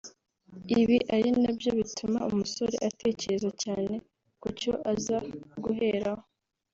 ibi ari na byo bituma umusore atekereza cyane ku cyo aza guheraho